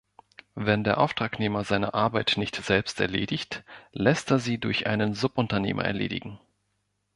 Wenn der Auftragnehmer seine Arbeit nicht selbst erledigt, lässt er sie durch einen Subunternehmer erledigen.